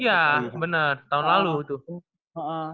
iya benar tahun lalu tuh